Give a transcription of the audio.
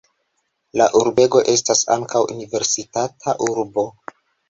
La urbego estas ankaŭ universitata urbo.